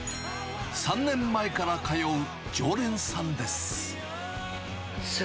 ３年前から通う常連さんです。